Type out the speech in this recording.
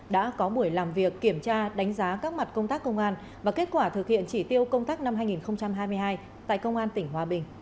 đã có buổi làm việc kiểm tra đánh giá các mặt công tác công an và kết quả thực hiện chỉ tiêu công tác năm hai nghìn hai mươi hai tại công an tỉnh hòa bình